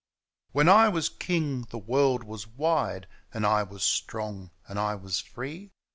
Whm I was king the wofid was wide^ And I was strong and I was free.